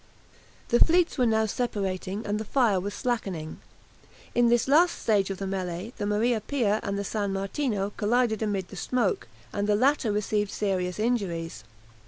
The fleets were now separating, and the fire was slackening. In this last stage of the mêlée the "Maria Pia" and the "San Martino" collided amid the smoke, and the latter received serious injuries.